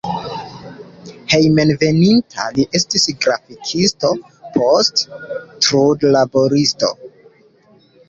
Hejmenveninta li estis grafikisto, poste trudlaboristo.